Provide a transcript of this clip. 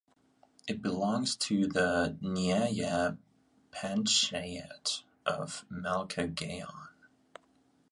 It belongs to the nyaya panchayat of Malkegaon.